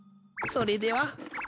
それでは。